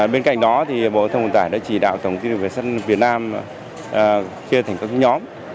bên cạnh đó bộ giao thông vận tải đã chỉ đạo tổng tin đường sắt việt nam chia thành các nhóm